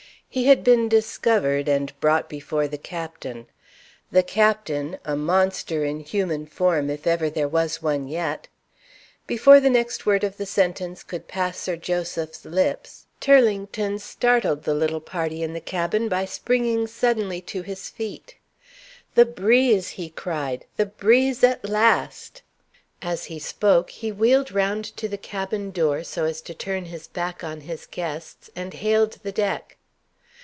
He had been discovered, and brought before the captain. The captain, a monster in human form, if ever there was one yet " Before the next word of the sentence could pass Sir Joseph's lips, Turlington startled the little party in the cabin by springing suddenly to his feet. "The breeze!" he cried; "the breeze at last!" As he spoke, he wheeled round to the cabin door so as to turn his back on his guests, and hailed the deck.